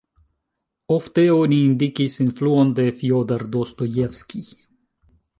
Ofte oni indikis influon de Fjodor Dostojevskij.